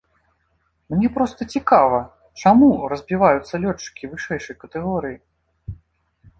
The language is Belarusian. Мне проста цікава, чаму разбіваюцца лётчыкі вышэйшай катэгорыі?